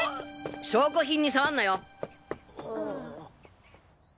証拠品に触んなよ！